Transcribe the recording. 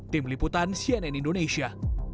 tim liputan cnn indonesia